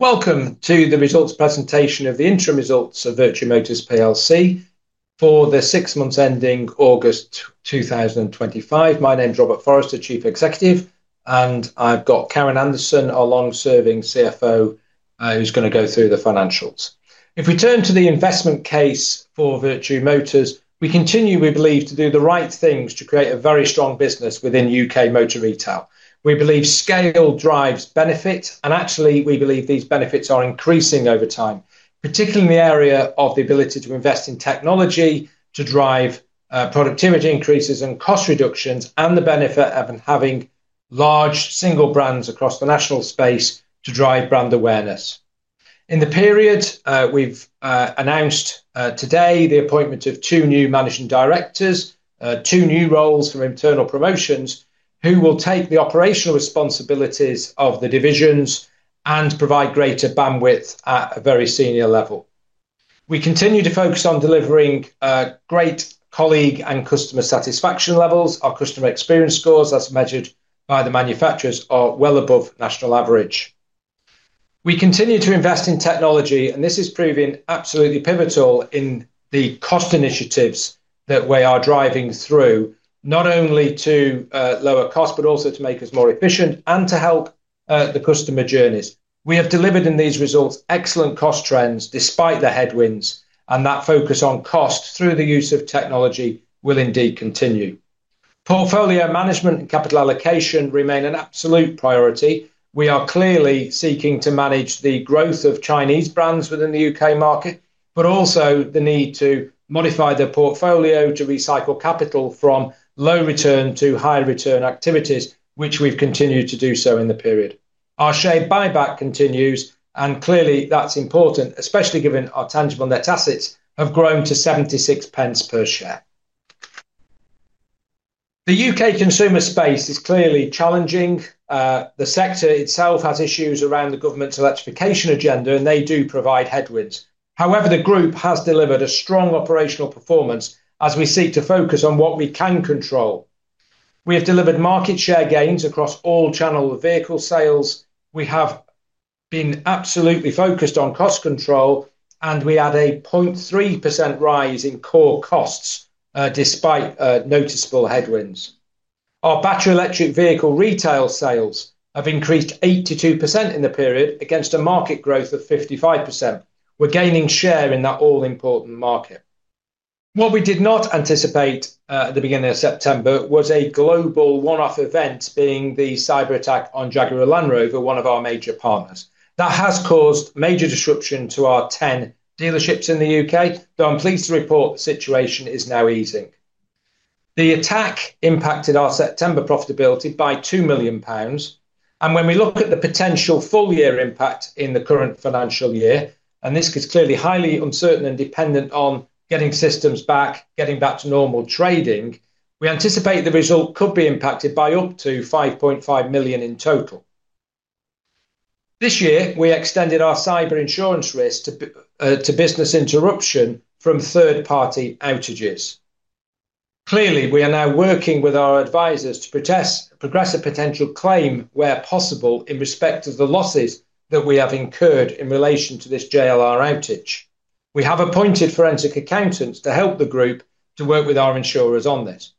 Welcome to the results presentation of the interim results of Vertu Motors PLC for the six months ending August 2025. My name is Robert Forrester, Chief Executive, and I've got Karen Anderson, our long-serving CFO, who's going to go through the financials. If we turn to the investment case for Vertu Motors, we continue to believe to do the right things to create a very strong business within U.K. motor retail. We believe scale drives benefits, and actually, we believe these benefits are increasing over time, particularly in the area of the ability to invest in technology to drive productivity increases and cost reductions, and the benefit of having large single brands across the national space to drive brand awareness. In the period, we've announced today the appointment of two new Managing Directors, two new roles from internal promotions, who will take the operational responsibilities of the divisions and provide greater bandwidth at a very senior level. We continue to focus on delivering great colleague and customer satisfaction levels. Our customer experience scores, as measured by the manufacturers, are well above national average. We continue to invest in technology, and this is proving absolutely pivotal in the cost initiatives that we are driving through, not only to lower costs, but also to make us more efficient and to help the customer journeys. We have delivered in these results excellent cost trends despite the headwinds, and that focus on cost through the use of technology will indeed continue. Portfolio management and capital allocation remain an absolute priority. We are clearly seeking to manage the growth of Chinese brands within the U.K. market, but also the need to modify the portfolio to recycle capital from low return to high return activities, which we've continued to do so in the period. Our share buyback continues, and clearly that's important, especially given our tangible net assets have grown to 0.76 per share. The U.K. consumer space is clearly challenging. The sector itself has issues around the government's electrification agenda, and they do provide headwinds. However, the group has delivered a strong operational performance as we seek to focus on what we can control. We have delivered market share gains across all channel vehicle sales. We have been absolutely focused on cost control, and we had a 0.3% rise in core costs despite noticeable headwinds. Our Battery Electric Vehicle retail sales have increased 82% in the period against a market growth of 55%. We're gaining share in that all-important market. What we did not anticipate at the beginning of September was a global one-off event being the cyberattack on Jaguar Land Rover, one of our major partners. That has caused major disruption to our 10 dealerships in the U.K., so I'm pleased to report the situation is now easing. The attack impacted our September profitability by 2 million pounds, and when we look at the potential full-year impact in the current financial year, and this is clearly highly uncertain and dependent on getting systems back, getting back to normal trading, we anticipate the result could be impacted by up to 5.5 million in total. This year, we extended our cyber insurance risk to business interruption from third-party outages. Clearly, we are now working with our advisors to progress a potential claim where possible in respect of the losses that we have incurred in relation to this JLR outage. We have appointed forensic accountants to help the group to work with our insurers on this.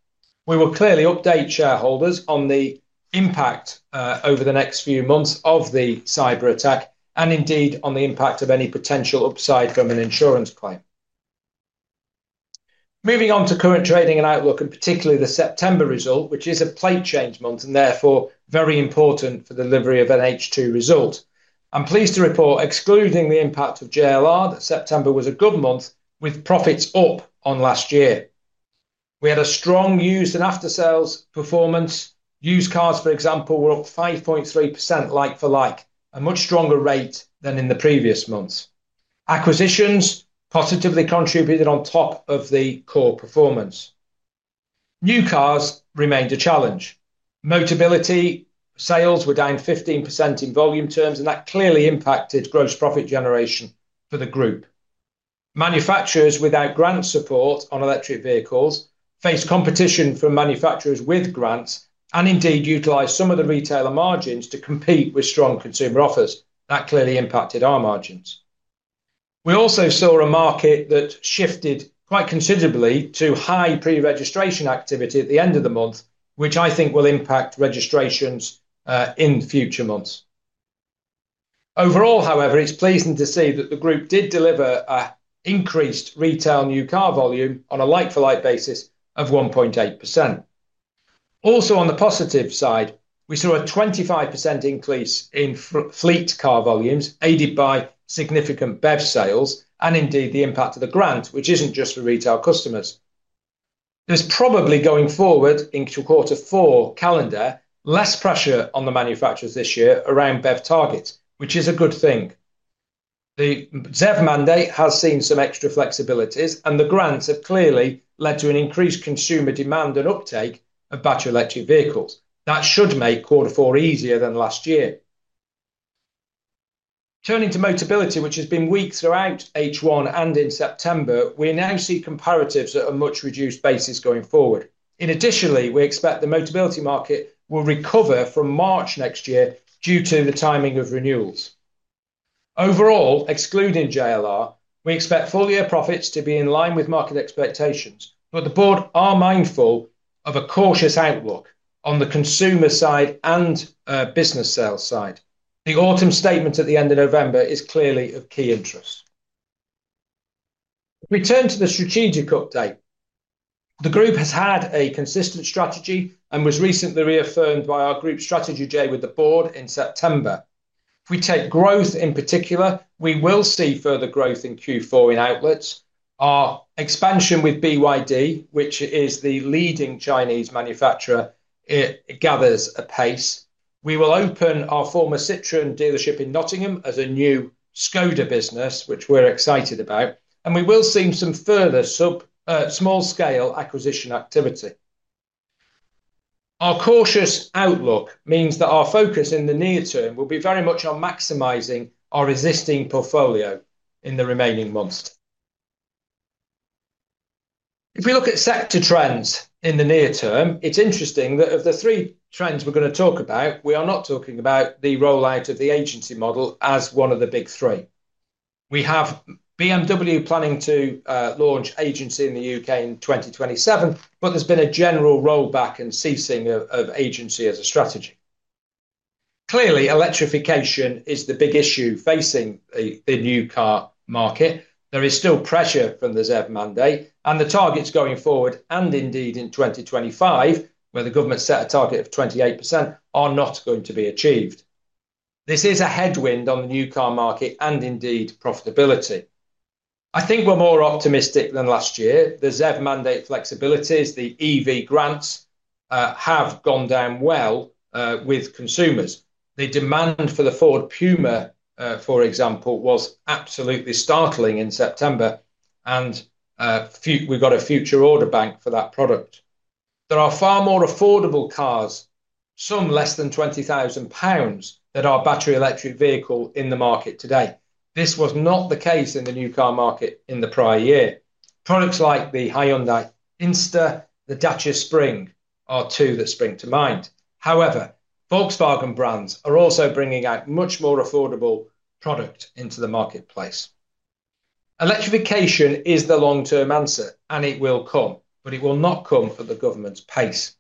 We will clearly update shareholders on the impact over the next few months of the cyberattack and indeed on the impact of any potential upside from an insurance claim. Moving on to current trading and outlook, and particularly the September result, which is a plate change month and therefore very important for the delivery of an H2 result. I'm pleased to report, excluding the impact of JLR, that September was a good month with profits up on last year. We had a strong used and aftersales performance. Used cars, for example, were up 5.3% like for like, a much stronger rate than in the previous months. Acquisitions positively contributed on top of the core performance. New cars remained a challenge. Motability sales were down 15% in volume terms, and that clearly impacted gross profit generation for the group. Manufacturers without grant support on electric vehicles face competition from manufacturers with grants and indeed utilize some of the retailer margins to compete with strong consumer offers. That clearly impacted our margins. We also saw a market that shifted quite considerably to high pre-registration activity at the end of the month, which I think will impact registrations in future months. Overall, however, it's pleasing to see that the group did deliver an increased retail new car volume on a like-for-like basis of 1.8%. Also, on the positive side, we saw a 25% increase in fleet car volumes aided by significant Battery Electric Vehicle sales and indeed the impact of the grant, which isn't just for retail customers. There's probably, going forward into quarter four calendar, less pressure on the manufacturers this year around Battery Electric Vehicle targets, which is a good thing. The ZEV mandate has seen some extra flexibilities, and the grants have clearly led to an increased consumer demand and uptake of Battery Electric Vehicles. That should make quarter four easier than last year. Turning to Motability, which has been weak throughout H1 and in September, we now see comparatives at a much reduced basis going forward. Additionally, we expect the Motability market will recover from March next year due to the timing of renewals. Overall, excluding JLR, we expect full-year profits to be in line with market expectations, but the board is mindful of a cautious outlook on the consumer side and business sales side. The autumn statement at the end of November is clearly of key interest. If we turn to the strategic update, the group has had a consistent strategy and was recently reaffirmed by our group strategy day with the board in September. If we take growth in particular, we will see further growth in Q4 in outlets. Our expansion with BYD, which is the leading Chinese manufacturer, gathers pace. We will open our former Citroën dealership in Nottingham as a new Škoda business, which we're excited about, and we will see some further small-scale acquisition activity. Our cautious outlook means that our focus in the near term will be very much on maximizing our existing portfolio in the remaining months. If we look at sector trends in the near term, it's interesting that of the three trends we're going to talk about, we are not talking about the rollout of the agency model as one of the big three. We have BMW planning to launch agency in the U.K. in 2027, but there's been a general rollback and ceasing of agency as a strategy. Clearly, electrification is the big issue facing the new car market. There is still pressure from the ZEV mandate, and the targets going forward and indeed in 2025, where the government set a target of 28%, are not going to be achieved. This is a headwind on the new car market and indeed profitability. I think we're more optimistic than last year. The ZEV mandate flexibilities, the EV grants have gone down well with consumers. The demand for the Ford Puma, for example, was absolutely startling in September, and we've got a future order bank for that product. There are far more affordable cars, some less than 20,000 pounds, that are Battery Electric Vehicles in the market today. This was not the case in the new car market in the prior year. Products like the Hyundai Inster and the Dacia Spring are two that spring to mind. However, Volkswagen brands are also bringing out much more affordable products into the marketplace. Electrification is the long-term answer, and it will come, but it will not come at the government's pace.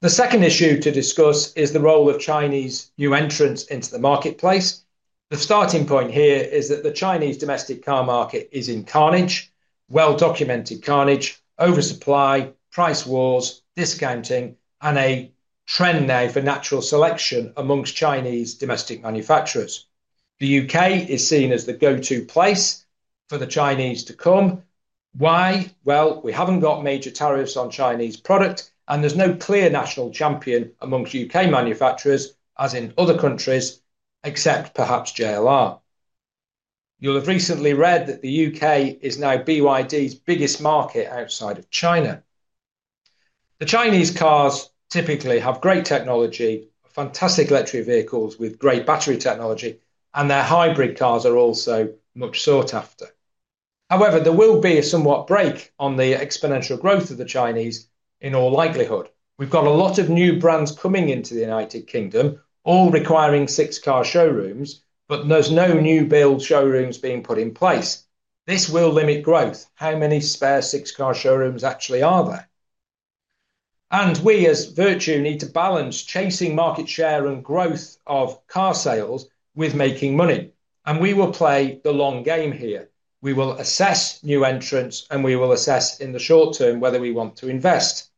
The second issue to discuss is the role of Chinese new entrants into the marketplace. The starting point here is that the Chinese domestic car market is in carnage, well-documented carnage, oversupply, price wars, discounting, and a trend now for natural selection amongst Chinese domestic manufacturers. The U.K. is seen as the go-to place for the Chinese to come. Why? We haven't got major tariffs on Chinese products, and there's no clear national champion amongst U.K. manufacturers, as in other countries, except perhaps JLR. You've recently read that the U.K. is now BYD's biggest market outside of China. The Chinese cars typically have great technology, fantastic electric vehicles with great battery technology, and their hybrid cars are also much sought after. However, there will be a somewhat brake on the exponential growth of the Chinese in all likelihood. We've got a lot of new brands coming into the United Kingdom, all requiring six-car showrooms, but there's no new build showrooms being put in place. This will limit growth. How many spare six-car showrooms actually are there? We, as Vertu, need to balance chasing market share and growth of car sales with making money, and we will play the long game here. We will assess new entrants, and we will assess in the short term whether we want to invest.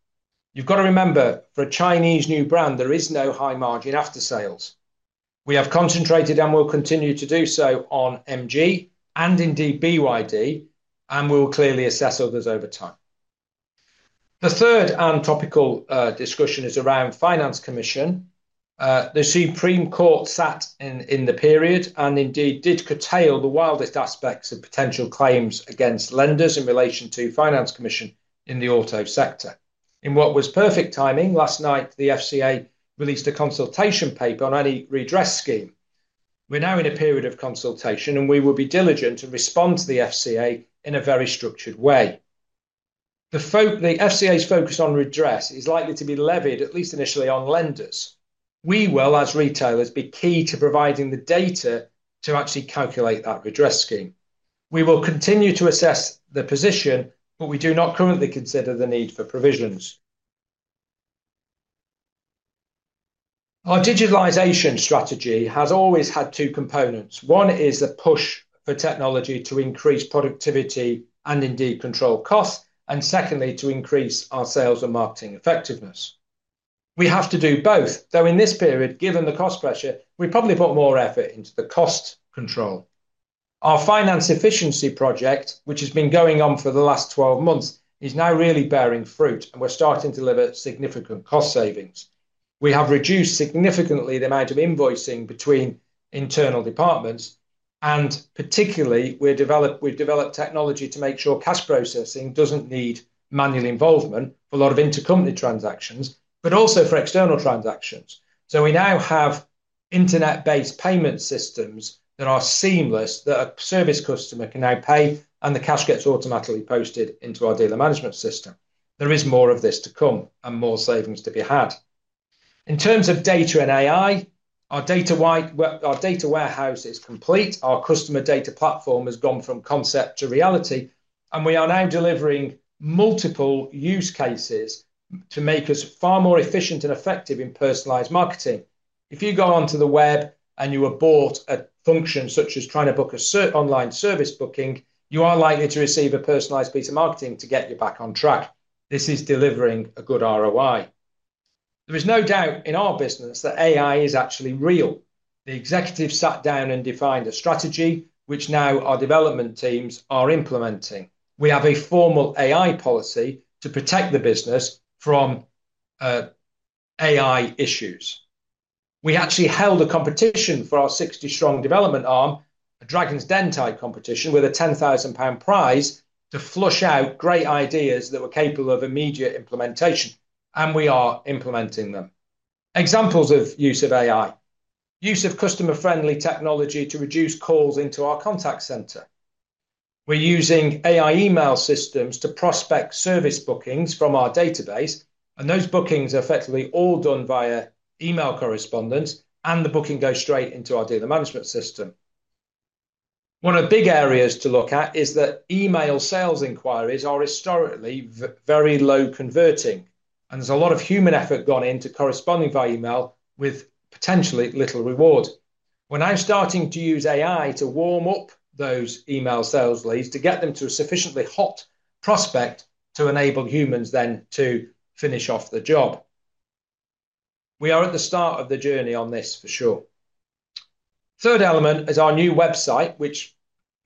You've got to remember, for a Chinese new brand, there is no high margin aftersales. We have concentrated and will continue to do so on MG and indeed BYD, and we'll clearly assess others over time. The third and topical discussion is around the Finance Commission. The Supreme Court sat in the period and indeed did curtail the wildest aspects of potential claims against lenders in relation to the Finance Commission in the auto sector. In what was perfect timing, last night the FCA released a consultation paper on any redress scheme. We're now in a period of consultation, and we will be diligent to respond to the FCA in a very structured way. The FCA's focus on redress is likely to be levied, at least initially, on lenders. We will, as retailers, be key to providing the data to actually calculate that redress scheme. We will continue to assess the position, but we do not currently consider the need for provisions. Our digitalization strategy has always had two components. One is the push for technology to increase productivity and indeed control costs, and secondly, to increase our sales and marketing effectiveness. We have to do both, though in this period, given the cost pressure, we probably put more effort into the cost control. Our finance efficiency project, which has been going on for the last 12 months, is now really bearing fruit, and we're starting to deliver significant cost savings. We have reduced significantly the amount of invoicing between internal departments, and particularly, we've developed technology to make sure cash processing doesn't need manual involvement for a lot of intercompany transactions, but also for external transactions. We now have internet-based payment systems that are seamless, that a service customer can now pay, and the cash gets automatically posted into our dealer management system. There is more of this to come and more savings to be had. In terms of data and AI, our data warehouse is complete. Our customer data platform has gone from concept to reality, and we are now delivering multiple use cases to make us far more efficient and effective in personalized marketing. If you go onto the web and you are bought a function such as trying to book an online service booking, you are likely to receive a personalized piece of marketing to get you back on track. This is delivering a good ROI. There is no doubt in our business that AI is actually real. The executives sat down and defined a strategy, which now our development teams are implementing. We have a formal AI policy to protect the business from AI issues. We actually held a competition for our 60-strong development arm, a Dragon's Den AI competition with a 10,000 pound prize to flush out great ideas that were capable of immediate implementation, and we are implementing them. Examples of use of AI: use of customer-friendly technology to reduce calls into our contact center. We're using AI email systems to prospect service bookings from our database, and those bookings are effectively all done via email correspondence, and the booking goes straight into our dealer management system. One of the big areas to look at is that email sales inquiries are historically very low converting, and there's a lot of human effort gone into corresponding via email with potentially little reward. We're now starting to use AI to warm up those email sales leads to get them to a sufficiently hot prospect to enable humans then to finish off the job. We are at the start of the journey on this for sure. The third element is our new website, which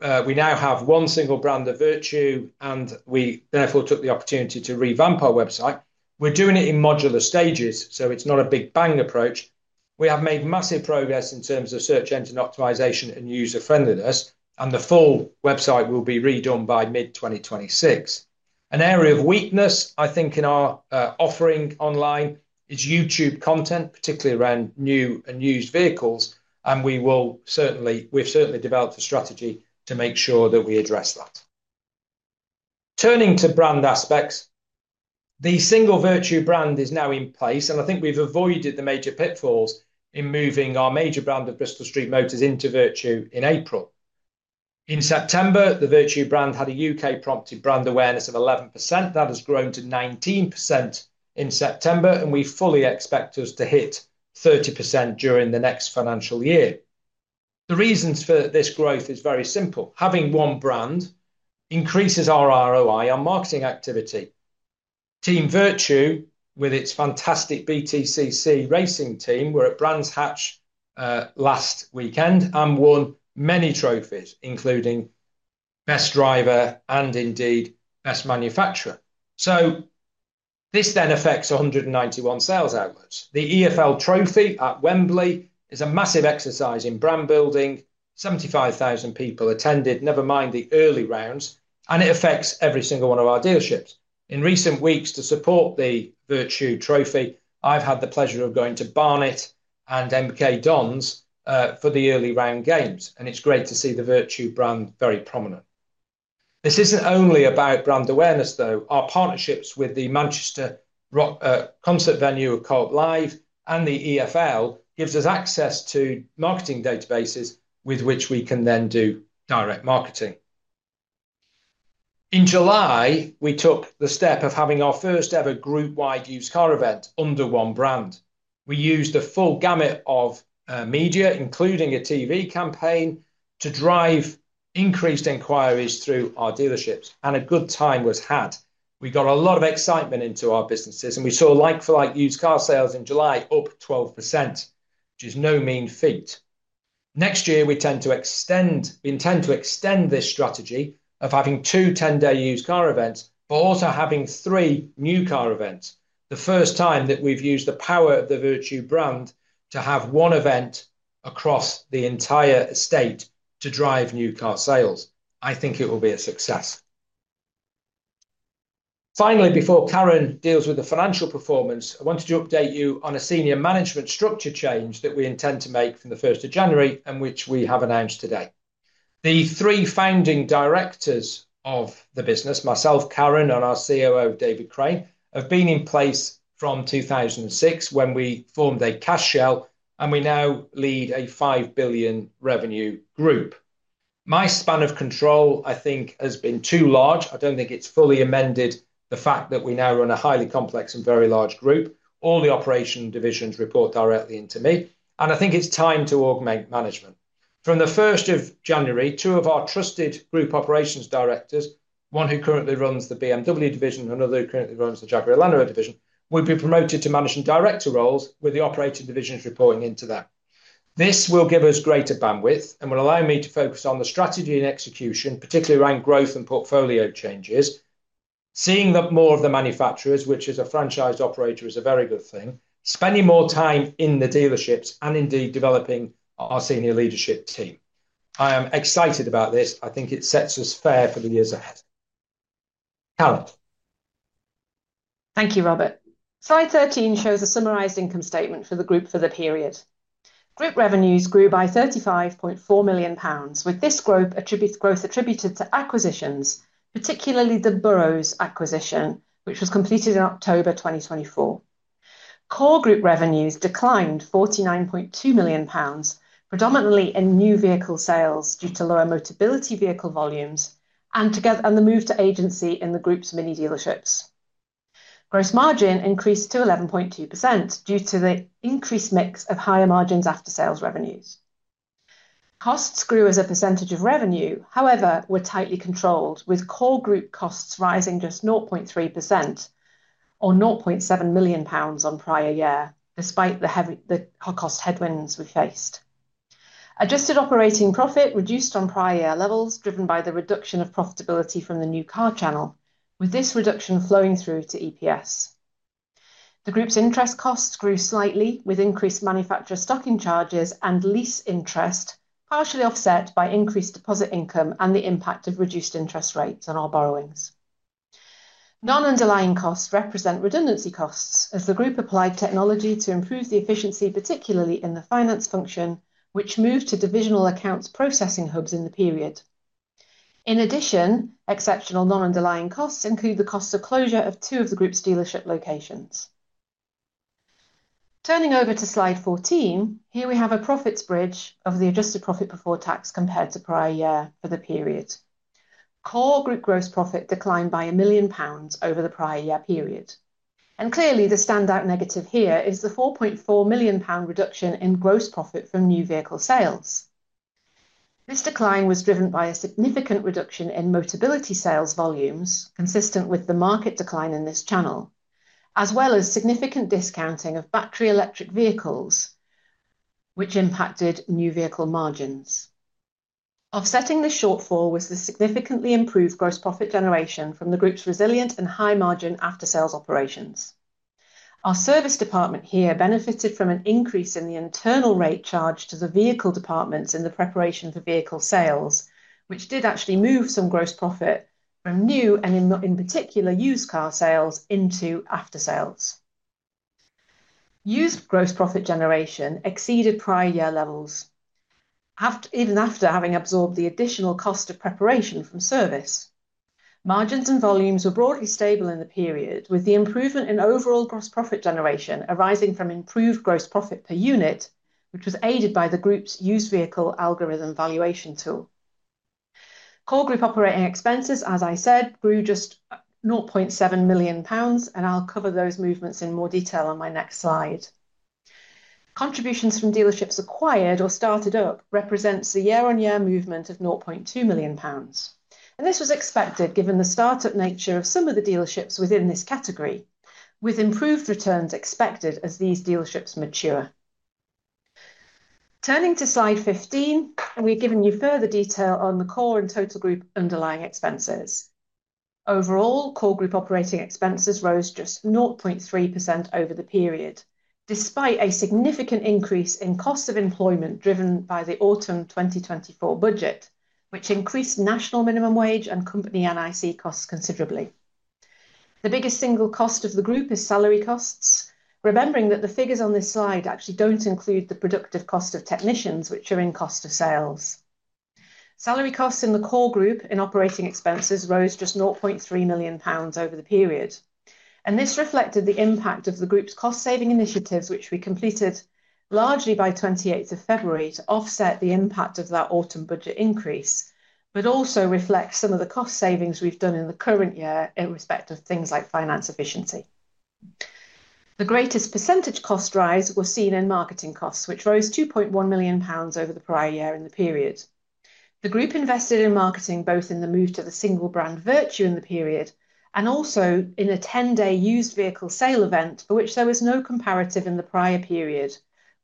we now have one single brand of Vertu, and we therefore took the opportunity to revamp our website. We're doing it in modular stages, so it's not a big bang approach. We have made massive progress in terms of search engine optimization and user-friendliness, and the full website will be redone by mid-2026. An area of weakness, I think, in our offering online is YouTube content, particularly around new and used vehicles, and we've certainly developed a strategy to make sure that we address that. Turning to brand aspects, the single Vertu brand is now in place, and I think we've avoided the major pitfalls in moving our major brand of Bristol Street Motors into Vertu in April. In September, the Vertu brand had a U.K. prompted brand awareness of 11%. That has grown to 19% in September, and we fully expect us to hit 30% during the next financial year. The reasons for this growth are very simple. Having one brand increases our ROI, our marketing activity. Team Vertu, with its fantastic BTCC racing team, were at Brands Hatch last weekend and won many trophies, including Best Driver and indeed Best Manufacturer. This then affects 191 sales outlets. The EFL Trophy at Wembley is a massive exercise in brand building. 75,000 people attended, never mind the early rounds, and it affects every single one of our dealerships. In recent weeks, to support the Vertu Trophy, I've had the pleasure of going to Barnet and MK Dons for the early round games, and it's great to see the Vertu brand very prominent. This isn't only about brand awareness, though. Our partnerships with the Manchester Rock Concert venue, a cult live, and the EFL give us access to marketing databases with which we can then do direct marketing. In July, we took the step of having our first ever group-wide used car event under one brand. We used the full gamut of media, including a TV campaign, to drive increased inquiries through our dealerships, and a good time was had. We got a lot of excitement into our businesses, and we saw like-for-like used car sales in July up 12%, which is no mean feat. Next year, we intend to extend this strategy of having two 10-day used car events, but also having three new car events. The first time that we've used the power of the Vertu brand to have one event across the entire estate to drive new car sales. I think it will be a success. Finally, before Karen deals with the financial performance, I wanted to update you on a senior management structure change that we intend to make from the 1st of January and which we have announced today. The three founding directors of the business, myself, Karen, and our COO, David Crane, have been in place from 2006 when we formed a cash shell, and we now lead a 5 billion revenue group. My span of control, I think, has been too large. I don't think it's fully amended the fact that we now run a highly complex and very large group. All the operation divisions report directly into me, and I think it's time to augment management. From the 1st of January, two of our trusted Group Operations Directors, one who currently runs the BMW division and another who currently runs the Jaguar Land Rover division, will be promoted to Management Director roles with the operating divisions reporting into them. This will give us greater bandwidth and will allow me to focus on the strategy and execution, particularly around growth and portfolio changes. Seeing that more of the manufacturers, which is a franchised operator, is a very good thing, spending more time in the dealerships and indeed developing our senior leadership team. I am excited about this. I think it sets us fair for the years ahead. Thank you, Robert. Slide 13 shows a summarized income statement for the group for the period. Group revenues grew by 35.4 million pounds, with this growth attributed to acquisitions, particularly the Burrows acquisition, which was completed in October 2024. Core group revenues declined 49.2 million pounds, predominantly in new vehicle sales due to lower Motability vehicle volumes and the move to agency in the group's MINI dealerships. Gross margin increased to 11.2% due to the increased mix of higher margin aftersales revenues. Costs grew as a percentage of revenue, however, were tightly controlled, with core group costs rising just 0.3% or 0.7 million pounds on prior year, despite the cost headwinds we faced. Adjusted operating profit reduced on prior year levels, driven by the reduction of profitability from the new car channel, with this reduction flowing through to EPS. The group's interest costs grew slightly, with increased manufacturer stocking charges and lease interest partially offset by increased deposit income and the impact of reduced interest rates on our borrowings. Non-underlying costs represent redundancy costs as the group applied technology to improve the efficiency, particularly in the finance function, which moved to divisional accounts processing hubs in the period. In addition, exceptional non-underlying costs include the cost of closure of two of the group's dealership locations. Turning over to slide 14, here we have a profits bridge of the adjusted profit before tax compared to prior year for the period. Core group gross profit declined by 1 million pounds over the prior year period. Clearly, the standout negative here is the 4.4 million pound reduction in gross profit from new vehicle sales. This decline was driven by a significant reduction in Motability sales volumes, consistent with the market decline in this channel, as well as significant discounting of Battery Electric Vehicles, which impacted new vehicle margins. Offsetting the shortfall was the significantly improved gross profit generation from the group's resilient and high margin aftersales operations. Our service department here benefited from an increase in the internal rate charge to the vehicle departments in the preparation for vehicle sales, which did actually move some gross profit from new and in particular used car sales into aftersales. Used gross profit generation exceeded prior year levels, even after having absorbed the additional cost of preparation from service. Margins and volumes were broadly stable in the period, with the improvement in overall gross profit generation arising from improved gross profit per unit, which was aided by the group's used vehicle algorithm valuation tool. Core group operating expenses, as I said, grew just 0.7 million pounds, and I'll cover those movements in more detail on my next slide. Contributions from dealerships acquired or started up represent the year-on-year movement of 0.2 million pounds, and this was expected given the startup nature of some of the dealerships within this category, with improved returns expected as these dealerships mature. Turning to slide 15, we've given you further detail on the core and total group underlying expenses. Overall, core group operating expenses rose just 0.3% over the period, despite a significant increase in cost of employment driven by the autumn 2024 budget, which increased national minimum wage and company NIC costs considerably. The biggest single cost of the group is salary costs, remembering that the figures on this slide actually don't include the productive cost of technicians, which are in cost of sales. Salary costs in the core group in operating expenses rose just 0.3 million pounds over the period, and this reflected the impact of the group's cost-saving initiatives, which we completed largely by 28th of February to offset the impact of that autumn budget increase, but also reflect some of the cost savings we've done in the current year in respect of things like finance efficiency. The greatest percentage cost rise was seen in marketing costs, which rose 2.1 million pounds over the prior year in the period. The group invested in marketing both in the move to the single brand Vertu in the period and also in a 10-day used vehicle sale event, for which there was no comparative in the prior period,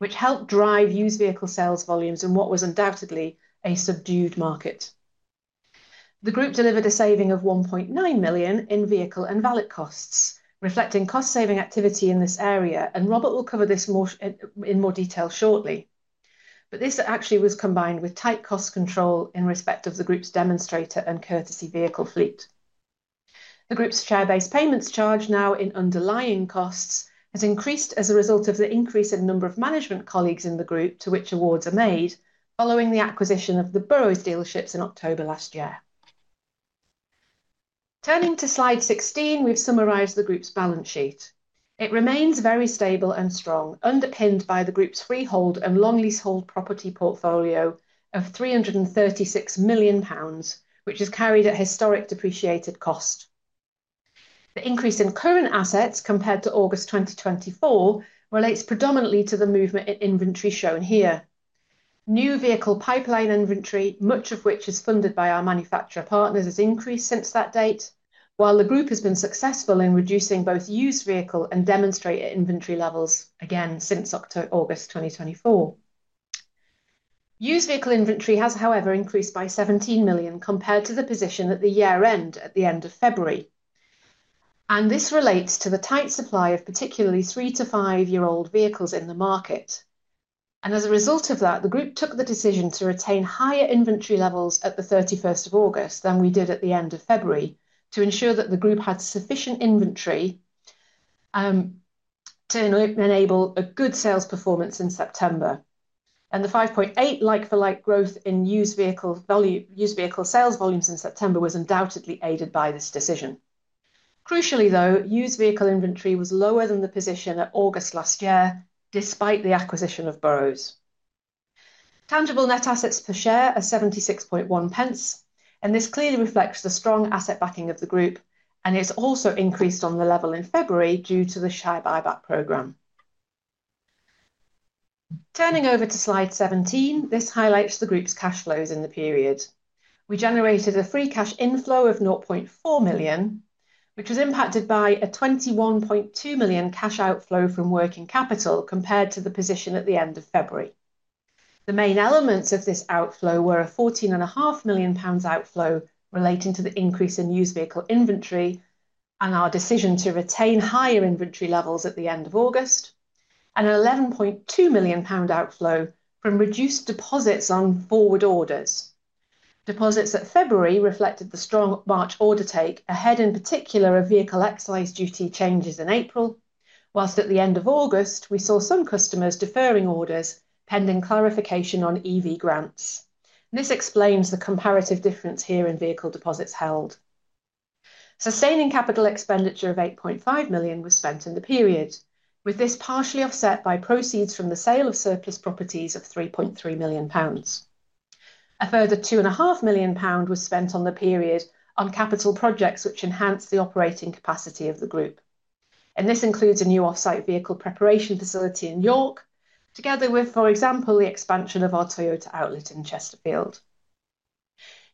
which helped drive used vehicle sales volumes in what was undoubtedly a subdued market. The group delivered a saving of 1.9 million in vehicle and valet costs, reflecting cost-saving activity in this area, and Robert will cover this in more detail shortly. This actually was combined with tight cost control in respect of the group's demonstrator and courtesy vehicle fleet. The group's share-based payments charge, now in underlying costs, has increased as a result of the increase in the number of management colleagues in the group, to which awards are made following the acquisition of the Burrows dealerships in October last year. Turning to slide 16, we've summarized the group's balance sheet. It remains very stable and strong, underpinned by the group's freehold and long leasehold property portfolio of 336 million pounds, which is carried at historic depreciated cost. The increase in current assets compared to August 2024 relates predominantly to the movement in inventory shown here. New vehicle pipeline inventory, much of which is funded by our manufacturer partners, has increased since that date, while the group has been successful in reducing both used vehicle and demonstrator inventory levels again since August 2024. Used vehicle inventory has, however, increased by 17 million compared to the position at the year-end at the end of February, and this relates to the tight supply of particularly three to five-year-old vehicles in the market. As a result of that, the group took the decision to retain higher inventory levels at the 31st of August than we did at the end of February to ensure that the group had sufficient inventory to enable a good sales performance in September. The 5.8% like-for-like growth in used vehicle sales volumes in September was undoubtedly aided by this decision. Crucially, though, used vehicle inventory was lower than the position at August last year, despite the acquisition of Burrows. Tangible net assets per share are 76.1 pence, and this clearly reflects the strong asset backing of the group, and it's also increased on the level in February due to the share buyback program. Turning over to slide 17, this highlights the group's cash flows in the period. We generated a free cash inflow of 0.4 million, which was impacted by a 21.2 million cash outflow from working capital compared to the position at the end of February. The main elements of this outflow were a 14.5 million pounds outflow relating to the increase in used vehicle inventory and our decision to retain higher inventory levels at the end of August, and an 11.2 million pound outflow from reduced deposits on forward orders. Deposits at February reflected the strong March order take, ahead in particular of vehicle excise duty changes in April, whilst at the end of August we saw some customers deferring orders pending clarification on EV grants. This explains the comparative difference here in vehicle deposits held. Sustaining capital expenditure of 8.5 million was spent in the period, with this partially offset by proceeds from the sale of surplus properties of 3.3 million pounds. A further 2.5 million pound was spent in the period on capital projects which enhanced the operating capacity of the group. This includes a new offsite vehicle preparation facility in York, together with, for example, the expansion of our Toyota outlet in Chesterfield.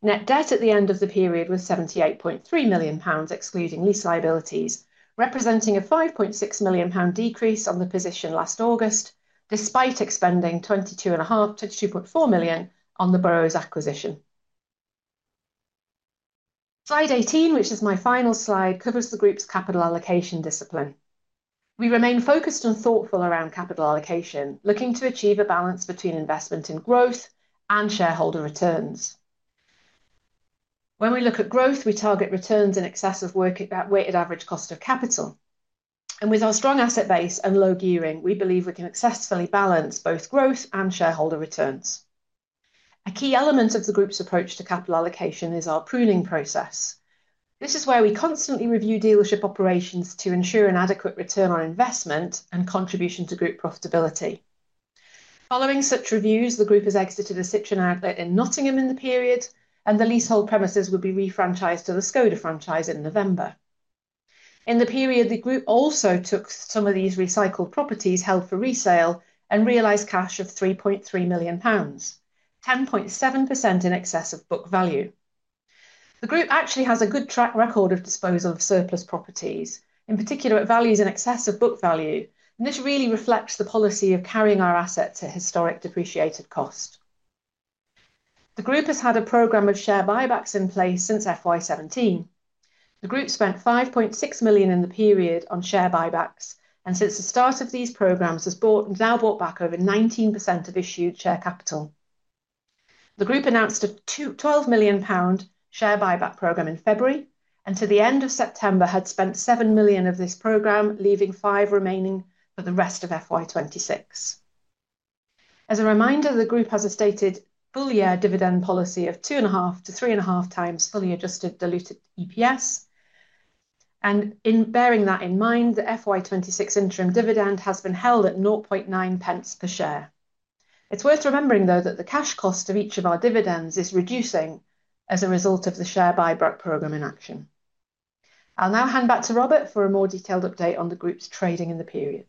Net debt at the end of the period was 78.3 million pounds, excluding lease liabilities, representing a 5.6 million pound decrease on the position last August, despite expending 22.4 million on the Burrows acquisition. Slide 18, which is my final slide, covers the group's capital allocation discipline. We remain focused and thoughtful around capital allocation, looking to achieve a balance between investment in growth and shareholder returns. When we look at growth, we target returns in excess of weighted average cost of capital. With our strong asset base and low gearing, we believe we can successfully balance both growth and shareholder returns. A key element of the group's approach to capital allocation is our pruning process. This is where we constantly review dealership operations to ensure an adequate return on investment and contribution to group profitability. Following such reviews, the group has exited the Citroën outlet in Nottingham in the period, and the leasehold premises will be refranchised to the Škoda franchise in November. In the period, the group also took some of these recycled properties held for resale and realized cash of 3.3 million pounds, 10.7% in excess of book value. The group actually has a good track record of disposal of surplus properties, in particular at values in excess of book value, and this really reflects the policy of carrying our assets at historic depreciated cost. The group has had a program of share buybacks in place since FY17. The group spent 5.6 million in the period on share buybacks, and since the start of these programs, has bought and now bought back over 19% of issued share capital. The group announced a 12 million pound share buyback program in February, and to the end of September had spent 7 million of this program, leaving 5 million remaining for the rest of FY 2026. As a reminder, the group has a stated full-year dividend policy of 2.5-3.5 times fully adjusted diluted EPS. In bearing that in mind, the FY 2026 interim dividend has been held at 0.009 per share. It's worth remembering, though, that the cash cost of each of our dividends is reducing as a result of the share buyback program in action. I'll now hand back to Robert for a more detailed update on the group's trading in the period.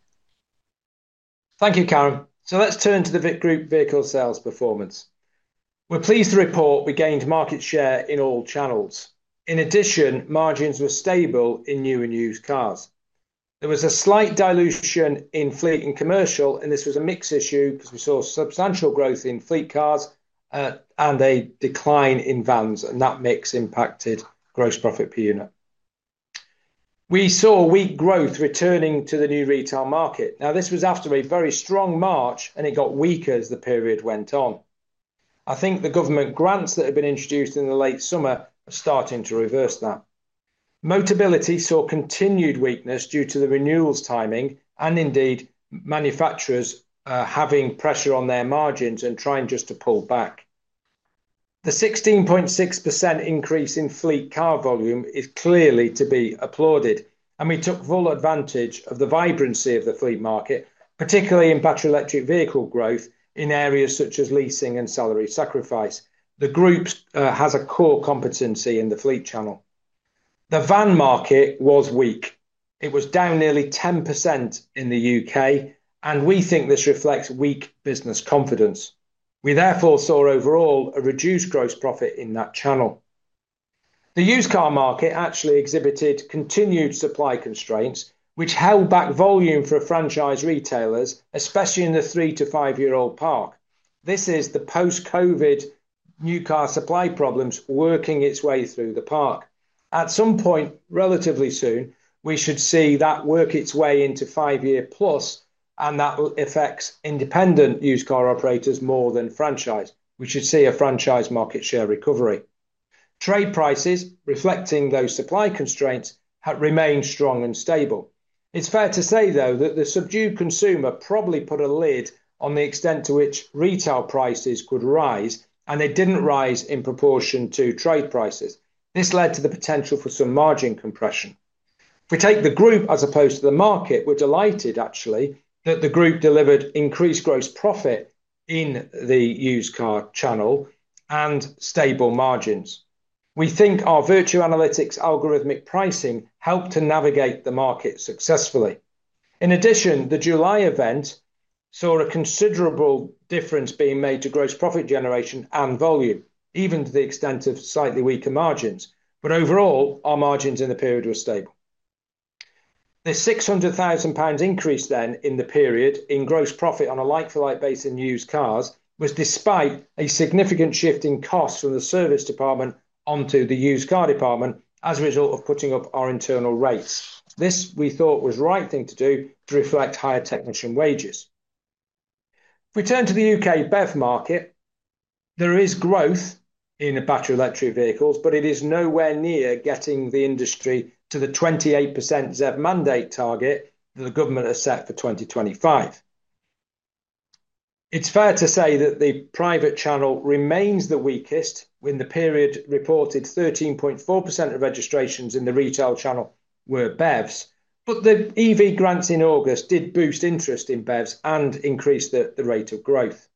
Thank you, Karen. Let's turn to the group vehicle sales performance. We're pleased to report we gained market share in all channels. In addition, margins were stable in new and used cars. There was a slight dilution in fleet and commercial, and this was a mix issue because we saw substantial growth in fleet cars and a decline in vans, and that mix impacted gross profit per unit. We saw weak growth returning to the new retail market. This was after a very strong March, and it got weaker as the period went on. I think the government grants that have been introduced in the late summer are starting to reverse that. Motability saw continued weakness due to the renewals timing and indeed manufacturers having pressure on their margins and trying just to pull back. The 16.6% increase in fleet car volume is clearly to be applauded, and we took full advantage of the vibrancy of the fleet market, particularly in Battery Electric Vehicle growth in areas such as leasing and salary sacrifice. The group has a core competency in the fleet channel. The van market was weak. It was down nearly 10% in the U.K., and we think this reflects weak business confidence. We therefore saw overall a reduced gross profit in that channel. The used car market actually exhibited continued supply constraints, which held back volume for franchise retailers, especially in the three to five-year-old park. This is the post-COVID new car supply problems working its way through the park. At some point, relatively soon, we should see that work its way into five-year plus, and that affects independent used car operators more than franchise. We should see a franchise market share recovery. Trade prices, reflecting those supply constraints, have remained strong and stable. It's fair to say, though, that the subdued consumer probably put a lid on the extent to which retail prices could rise, and they didn't rise in proportion to trade prices. This led to the potential for some margin compression. If we take the group as opposed to the market, we're delighted, actually, that the group delivered increased gross profit in the used car channel and stable margins. We think our Vertu Analytics algorithmic pricing helped to navigate the market successfully. In addition, the July event saw a considerable difference being made to gross profit generation and volume, even to the extent of slightly weaker margins. Overall, our margins in the period were stable. The 600,000 pounds increase in the period in gross profit on a like-for-like basis in used cars was despite a significant shift in costs from the service department onto the used car department as a result of putting up our internal rates. This, we thought, was the right thing to do to reflect higher technician wages. If we turn to the U.K. BEV market, there is growth in Battery Electric Vehicles, but it is nowhere near getting the industry to the 28% ZEV mandate target that the government has set for 2025. It's fair to say that the private channel remains the weakest. In the period reported, 13.4% of registrations in the retail channel were BEVs, but the EV grants in August did boost interest in BEVs and increase the rate of growth.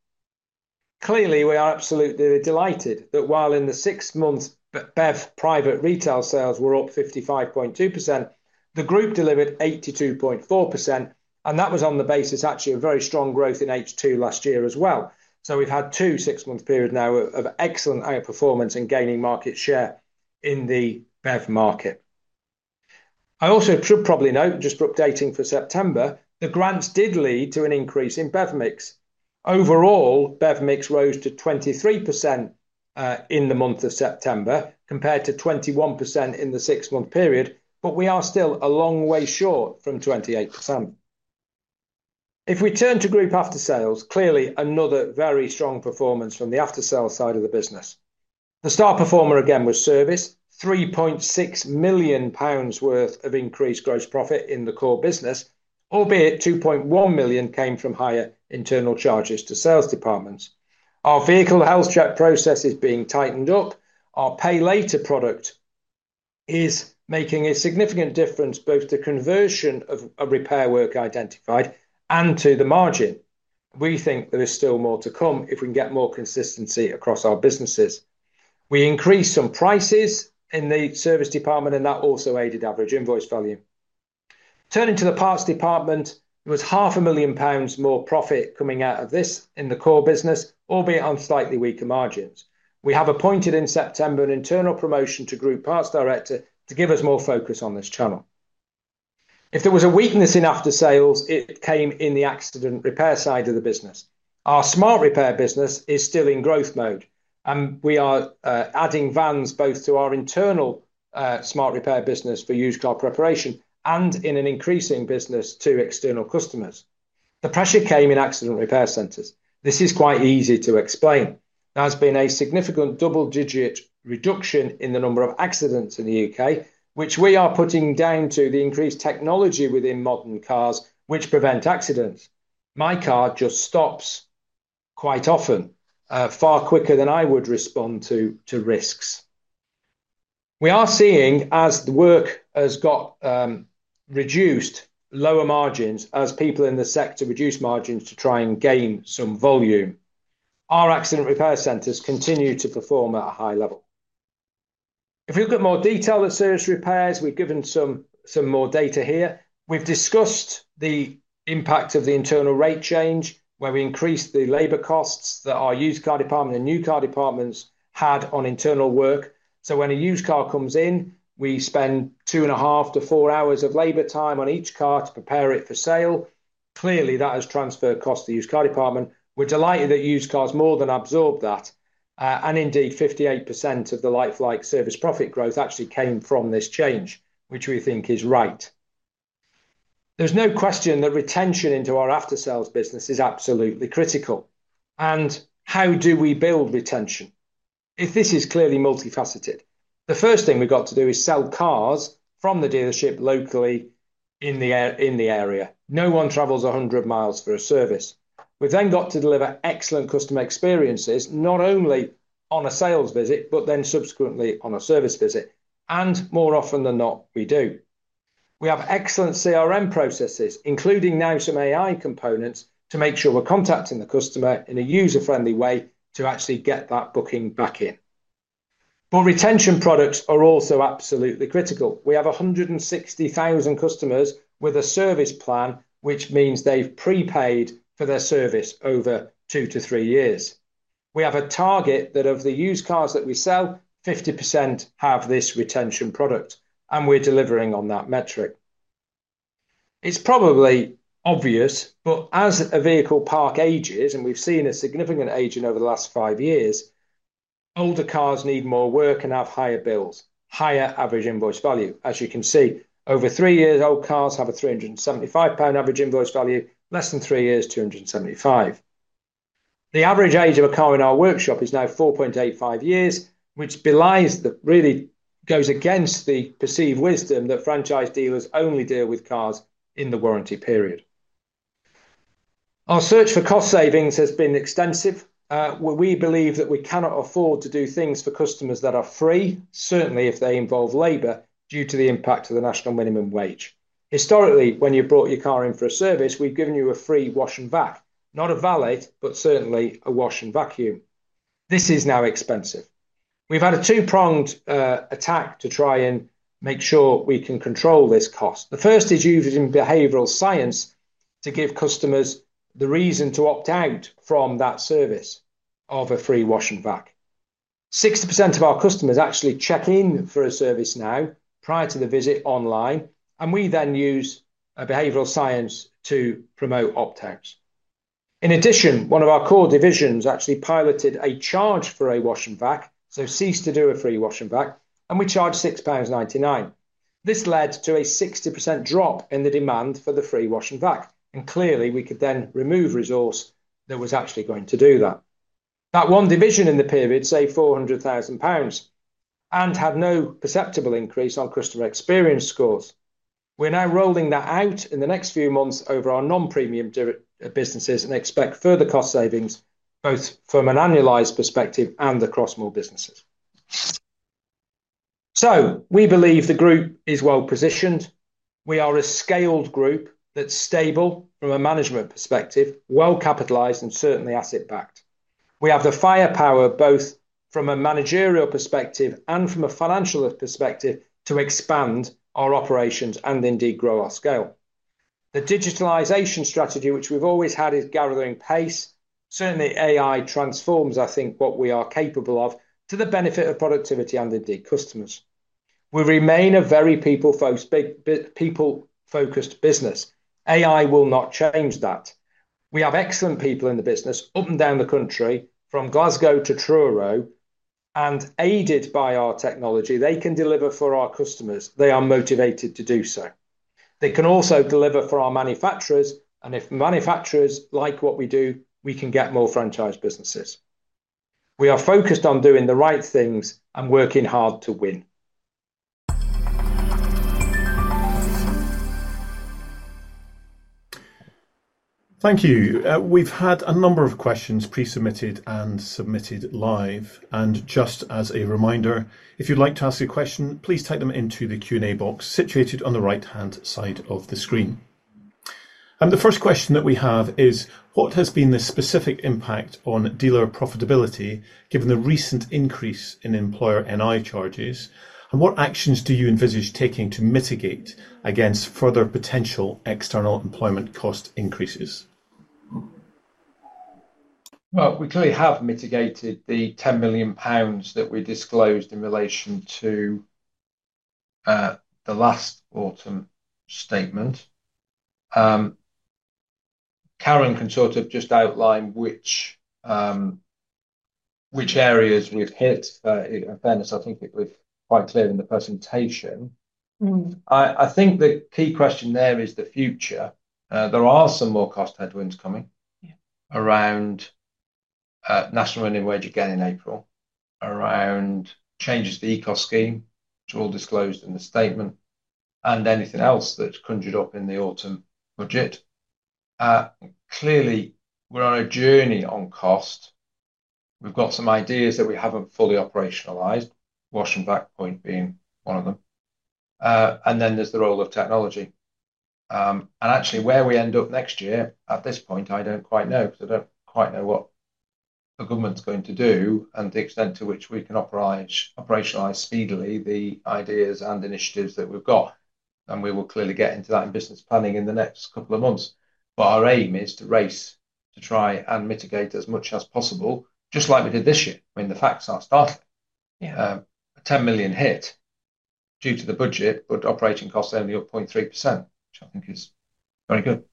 Clearly, we are absolutely delighted that while in the six-month BEV private retail sales were up 55.2%, the group delivered 82.4%, and that was on the basis actually of very strong growth in H2 last year as well. We have had two six-month periods now of excellent higher performance and gaining market share in the BEV market. I also should probably note, just for updating for September, the grants did lead to an increase in BEV mix. Overall, BEV mix rose to 23% in the month of September compared to 21% in the six-month period, but we are still a long way short from 28%. If we turn to group aftersales, clearly another very strong performance from the aftersales side of the business. The star performer again was service, 3.6 million pounds worth of increased gross profit in the core business, albeit 2.1 million came from higher internal charges to sales departments. Our vehicle health check process is being tightened up. Our pay later product is making a significant difference both to conversion of repair work identified and to the margin. We think there is still more to come if we can get more consistency across our businesses. We increased some prices in the service department, and that also aided average invoice volume. Turning to the parts department, there was 0.5 million pounds more profit coming out of this in the core business, albeit on slightly weaker margins. We have appointed in September an internal promotion to Group Parts Director to give us more focus on this channel. If there was a weakness in aftersales, it came in the accident repair side of the business. Our smart repair business is still in growth mode, and we are adding vans both to our internal smart repair business for used car preparation and in an increasing business to external customers. The pressure came in accident repair centers. This is quite easy to explain. There has been a significant double-digit reduction in the number of accidents in the U.K., which we are putting down to the increased technology within modern cars which prevent accidents. My car just stops quite often, far quicker than I would respond to risks. We are seeing, as the work has got reduced, lower margins, as people in the sector reduce margins to try and gain some volume. Our accident repair centers continue to perform at a high level. If we look at more detailed service repairs, we've given some more data here. We've discussed the impact of the internal rate change, where we increased the labor costs that our used car department and new car departments had on internal work. So when a used car comes in, we spend 2.5 to 4 hours of labor time on each car to prepare it for sale. Clearly, that has transferred costs to the used car department. We're delighted that used cars more than absorb that, and indeed 58% of the like-for-like service profit growth actually came from this change, which we think is right. There is no question that retention into our aftersales business is absolutely critical. How do we build retention? This is clearly multifaceted. The first thing we've got to do is sell cars from the dealership locally in the area. No one travels 100 miles for a service. We've then got to deliver excellent customer experiences, not only on a sales visit, but then subsequently on a service visit. More often than not, we do. We have excellent CRM processes, including now some AI components to make sure we're contacting the customer in a user-friendly way to actually get that booking back in. Retention products are also absolutely critical. We have 160,000 customers with a service plan, which means they've prepaid for their service over 2-3 years. We have a target that of the used cars that we sell, 50% have this retention product, and we're delivering on that metric. It's probably obvious, but as a vehicle park ages, and we've seen a significant aging over the last five years, older cars need more work and have higher bills, higher average invoice value. As you can see, over three years old cars have a 375 pound average invoice value, less than three years, 275. The average age of a car in our workshop is now 4.85 years, which belies that really goes against the perceived wisdom that franchise dealers only deal with cars in the warranty period. Our search for cost savings has been extensive, where we believe that we cannot afford to do things for customers that are free, certainly if they involve labor, due to the impact of the national minimum wage. Historically, when you brought your car in for a service, we've given you a free wash and vap, not a valet, but certainly a wash and vacuum. This is now expensive. We've had a two-pronged attack to try and make sure we can control this cost. The first is using behavioral science to give customers the reason to opt out from that service of a free wash and vap. 60% of our customers actually check in for a service now prior to the visit online, and we then use behavioral science to promote opt-outs. In addition, one of our core divisions actually piloted a charge for a wash and vap, so cease to do a free wash and vap, and we charged 6.99 pounds. This led to a 60% drop in the demand for the free wash and vap, and clearly we could then remove resource that was actually going to do that. That one division in the period saved 400,000 pounds and had no perceptible increase on customer experience scores. We're now rolling that out in the next few months over our non-premium businesses and expect further cost savings both from an annualized perspective and across more businesses. We believe the group is well positioned. We are a scaled group that's stable from a management perspective, well capitalized, and certainly asset-backed. We have the firepower both from a managerial perspective and from a financial perspective to expand our operations and indeed grow our scale. The digitalization strategy, which we've always had, is gathering pace. Certainly, AI transforms, I think, what we are capable of to the benefit of productivity and indeed customers. We remain a very people-focused business. AI will not change that. We have excellent people in the business up and down the country, from Glasgow to Truro, and aided by our technology, they can deliver for our customers. They are motivated to do so. They can also deliver for our manufacturers, and if manufacturers like what we do, we can get more franchise businesses. We are focused on doing the right things and working hard to win. Thank you. We've had a number of questions pre-submitted and submitted live, and just as a reminder, if you'd like to ask a question, please type them into the Q&A box situated on the right-hand side of the screen. The first question that we have is, what has been the specific impact on dealer profitability given the recent increase in employer NI charges, and what actions do you envisage taking to mitigate against further potential external employment cost increases? We clearly have mitigated the 10 million pounds that we disclosed in relation to the last autumn statement. Karen can sort of just outline which areas we've hit. In fairness, I think it was quite clear in the presentation. I think the key question there is the future. There are some more cost headwinds coming around national minimum wage again in April, around changes to the ECO scheme. They're all disclosed in the statement and anything else that's conjured up in the autumn budget. Clearly, we're on a journey on cost. We've got some ideas that we haven't fully operationalized, wash and vap point being one of them. Then there's the role of technology. Actually, where we end up next year at this point, I don't quite know because I don't quite know what the government's going to do and the extent to which we can operationalize speedily the ideas and initiatives that we've got. We will clearly get into that in business planning in the next couple of months. Our aim is to race to try and mitigate as much as possible, just like we did this year. I mean, the facts are stark. A 10 million hit due to the budget, but operating costs only up 0.3%, which I think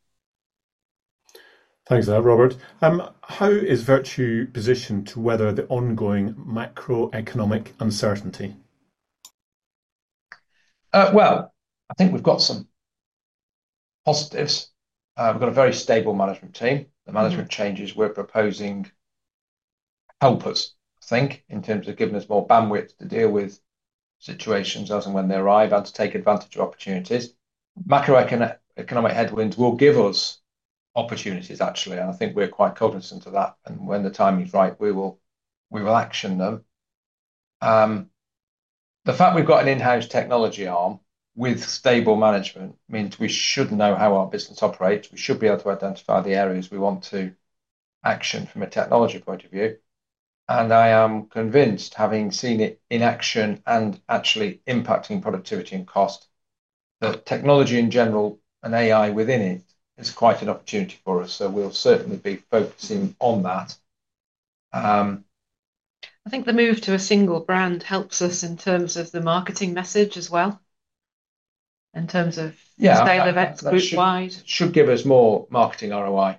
is very good. Thanks for that, Robert. How is Vertu positioned to weather the ongoing macroeconomic uncertainty? I think we've got some positives. We've got a very stable management team. The management changes we're proposing help us, I think, in terms of giving us more bandwidth to deal with situations as and when they arrive and to take advantage of opportunities. Macroeconomic headwinds will give us opportunities, actually, and I think we're quite cognizant of that. When the time is right, we will action them. The fact we've got an in-house technology arm with stable management means we should know how our business operates. We should be able to identify the areas we want to action from a technology point of view. I am convinced, having seen it in action and actually impacting productivity and cost, the technology in general and AI within it is quite an opportunity for us. We'll certainly be focusing on that. I think the move to a single brand helps us in terms of the marketing message as well, in terms of scale of the group-wide. Should give us more marketing ROI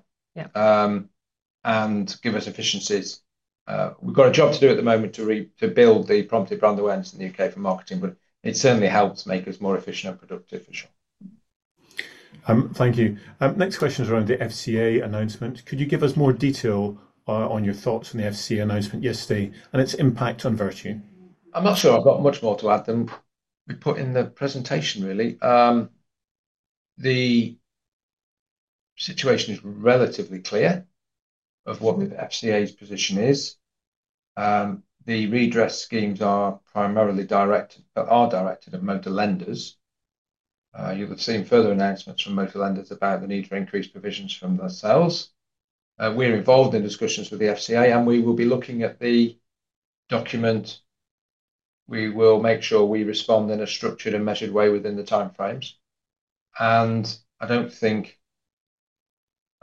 and give us efficiencies. We've got a job to do at the moment to build the prompted brand awareness in the U.K. for marketing, but it certainly helps make us more efficient and productive for sure. Thank you. Next question is around the FCA announcement. Could you give us more detail on your thoughts on the FCA announcement yesterday and its impact on Vertu? I'm not sure I've got much more to add than we put in the presentation, really. The situation is relatively clear of what the FCA's position is. The redress schemes are primarily directed at motor lenders. You'll have seen further announcements from motor lenders about the need for increased provisions from themselves. We're involved in discussions with the FCA, and we will be looking at the document. We will make sure we respond in a structured and measured way within the timeframes. I don't think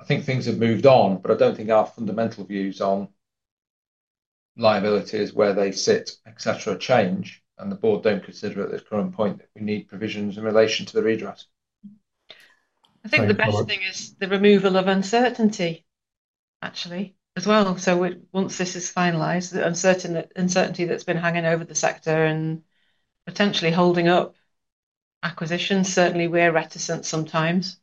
things have moved on, but I don't think our fundamental views on liabilities, where they sit, etc, change. The board don't consider at this current point that we need provisions in relation to the redress. I think the best thing is the removal of uncertainty, actually, as well. Once this is finalized, the uncertainty that's been hanging over the sector and potentially holding up acquisitions, certainly we're reticent sometimes,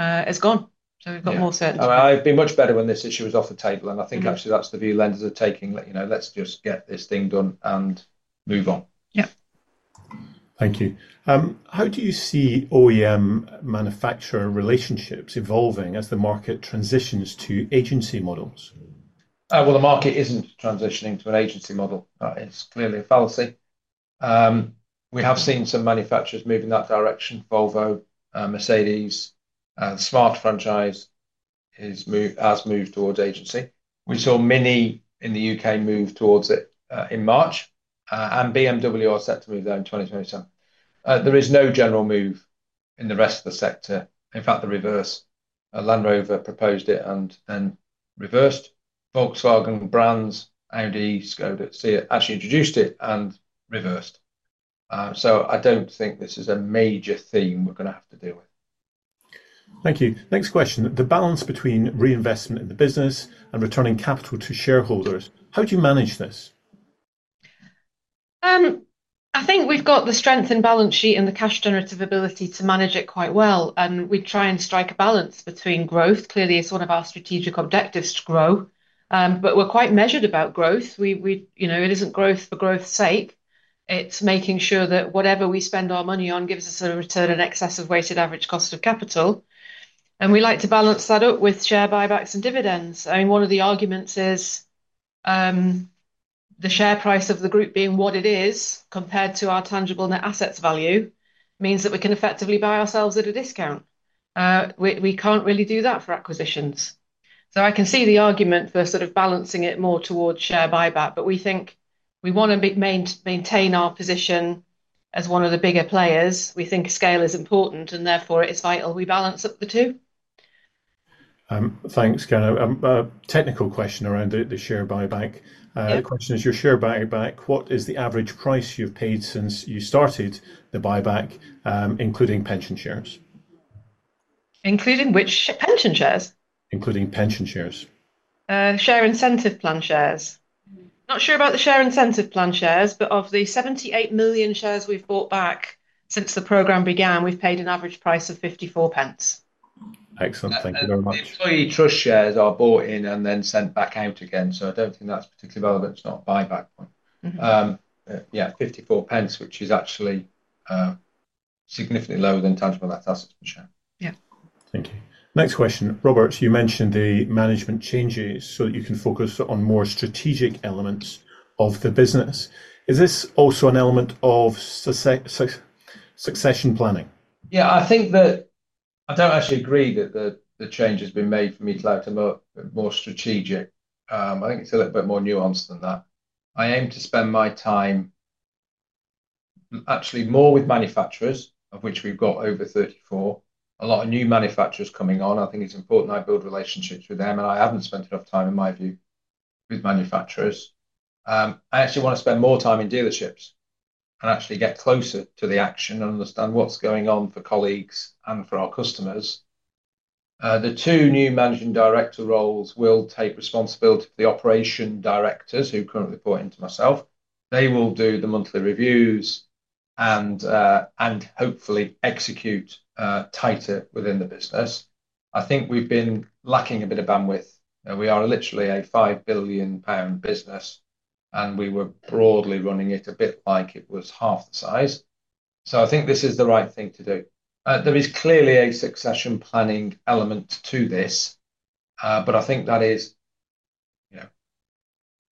is gone. We've got more certainty. It'd be much better when this issue was off the table. I think actually that's the view lenders are taking. You know, let's just get this thing done and move on. Thank you. How do you see OEM manufacturer relationships evolving as the market transitions to agency models? The market isn't transitioning to an agency model. It's clearly a policy. We have seen some manufacturers move in that direction. Volvo, Mercedes, the Smart franchise has moved towards agency. We saw MINI in the U.K. move towards it in March, and BMW are set to move there in 2027. There is no general move in the rest of the sector. In fact, the reverse. Land Rover proposed it and reversed. Volkswagen brands, Audi, Škoda, actually introduced it and reversed. I don't think this is a major theme we're going to have to deal with. Thank you. Next question. The balance between reinvestment in the business and returning capital to shareholders, how do you manage this? I think we've got the strength in balance sheet and the cash generative ability to manage it quite well. We try and strike a balance between growth. Clearly, it's one of our strategic objectives to grow. We're quite measured about growth. It isn't growth for growth's sake. It's making sure that whatever we spend our money on gives us a return in excess of weighted average cost of capital. We like to balance that up with share buybacks and dividends. One of the arguments is the share price of the group being what it is compared to our tangible net assets value means that we can effectively buy ourselves at a discount. We can't really do that for acquisitions. I can see the argument for sort of balancing it more towards share buyback. We think we want to maintain our position as one of the bigger players. We think scale is important, and therefore it's vital we balance up the two. Thanks, Karen. A technical question around the share buyback. The question is, your share buyback, what is the average price you've paid since you started the buyback, including pension shares? Including which pension shares? Including pension shares. Share incentive plan shares. Not sure about the share incentive plan shares, but of the 78 million shares we've bought back since the program began, we've paid an average price of 0.54. Excellent. Thank you very much. Employee trust shares are bought in and then sent back out again. I don't think that's particularly relevant. It's not a buyback point. Yeah, 0.54, which is actually significantly lower than tangible net assets per share. Thank you. Next question. Robert, you mentioned the management changes so that you can focus on more strategic elements of the business. Is this also an element of succession planning? I think that I don't actually agree that the changes we made for me to make them more strategic. I think it's a little bit more nuanced than that. I aim to spend my time actually more with manufacturers, of which we've got over 34. A lot of new manufacturers coming on. I think it's important I build relationships with them, and I haven't spent enough time, in my view, with manufacturers. I actually want to spend more time in dealerships and actually get closer to the action and understand what's going on for colleagues and for our customers. The two new Managing Director roles will take responsibility for the Operation Directors, who currently report into myself. They will do the monthly reviews and hopefully execute tighter within the business. I think we've been lacking a bit of bandwidth. We are literally a 5 billion pound business, and we were broadly running it a bit like it was half the size. I think this is the right thing to do. There is clearly a succession planning element to this, but I think that is,